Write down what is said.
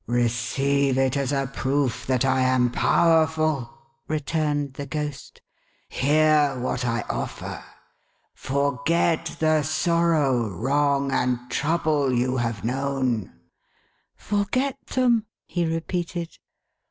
" Receive it as a proof that I am powerful," returned the Ghost. " Hear what I offer ! Forget the sorrow, wrong, and trouble you have known !"" Forget them !" he repeated.